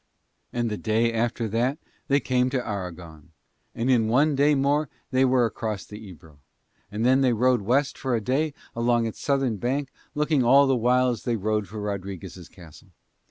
And the day after that they came to Aragon, and in one day more they were across the Ebro; and then they rode west for a day along its southern bank looking all the while as they rode for Rodriguez' castle.